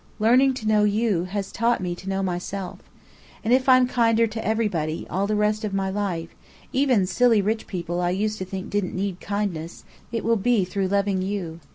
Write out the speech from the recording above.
Learning to know you has taught me to know myself. And if I'm kinder to everybody, all the rest of my life even silly rich people I used to think didn't need kindness it will be through loving you.